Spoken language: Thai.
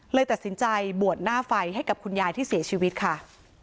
เลยตัดสินใจบวชหน้าไฟให้กับคุณยายที่เสียชีวิตค่ะ